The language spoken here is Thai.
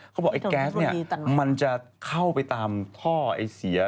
เขาบอกไอ้แก๊สเนี่ยมันจะเข้าไปตามท่อไอ้เสีย